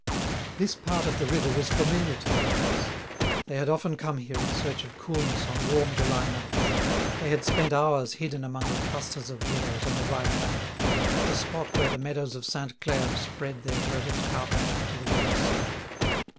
This part of the river was familiar to the lovers; they had often come here in search of coolness on warm July nights; they had spent hours hidden among the clusters of willows on the right bank, at the spot where the meadows of Sainte Claire spread their verdant carpet to the waterside.